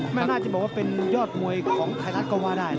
น่าจะบอกว่าเป็นยอดมวยของไทยรัฐก็ว่าได้